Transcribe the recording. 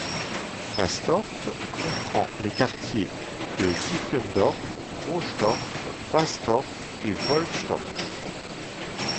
Vastorf comprend les quartiers de Gifkendorf, Rohstorf, Vastorf et Volkstorf.